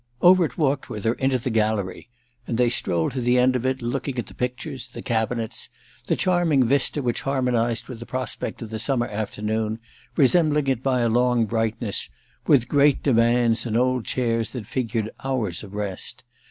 Overt walked with her into the gallery, and they strolled to the end of it, looking at the pictures, the cabinets, the charming vista, which harmonised with the prospect of the summer afternoon, resembling it by a long brightness, with great divans and old chairs that figured hours of rest.